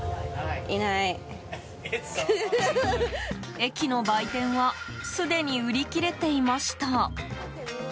駅の売店はすでに売り切れていました。